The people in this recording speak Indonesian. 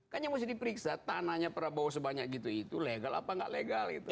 kan yang mesti diperiksa tanahnya pernah bawa sebanyak gitu itu legal apa gak legal gitu